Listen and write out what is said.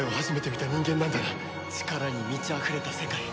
力に満ちあふれた世界。